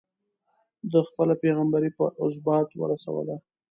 ده خپله پيغمبري په ازبات ورسوله.